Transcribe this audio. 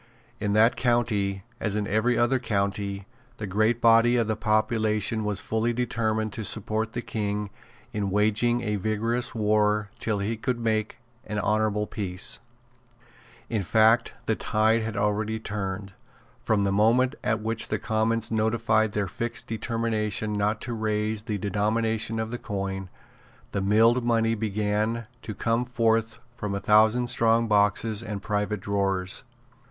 In that county, as in every other county, the great body of the population was fully determined to support the King in waging a vigorous war till he could make an honourable peace. In fact the tide had already turned. From the moment at which the Commons notified their fixed determination not to raise the denomination of the coin, the milled money began to come forth from a thousand strong boxes and private drawers.